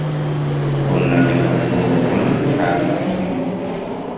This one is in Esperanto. Bonan laboron al ili!